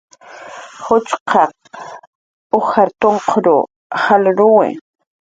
Ujchqaq ujar tunqur jalruwi